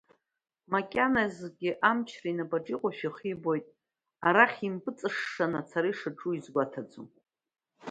Макьаназгьы амчра инапаҿы иҟоушәа ихы ибоит, арахь импыҵышшаны ацара ишаҿу изгәаҭаӡом…